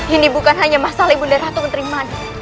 ini bukan hanya masalah ibunda ratu kenteri manik